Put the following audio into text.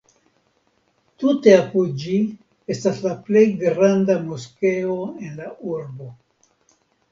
Tute apud ĝi estas la plej granda moskeo en la urbo.